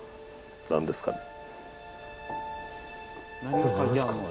何ですかね。